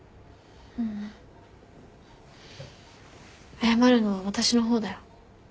謝るのは私の方だよ。